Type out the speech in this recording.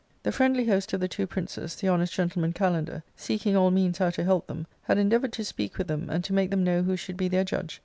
The friendly host of the two princes, the honest gentle man Kalander, seeking all means how to help them, had en deavoured to speak with them and to make them know who should be their judge.